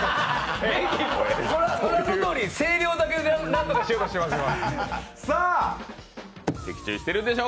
ご覧のとおり、声量だけで何とかしようとしてます。